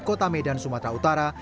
kota medan sumatera utara